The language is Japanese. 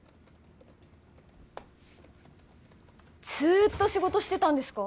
ずーっと仕事してたんですか？